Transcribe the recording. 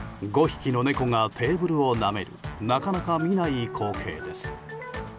５匹の猫がテーブルをなめるなかなか見ない光景です。